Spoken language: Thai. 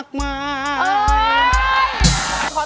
โทษให้โทษให้โทษให้